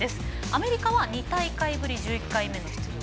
アメリカは２大会ぶり１１回目の出場。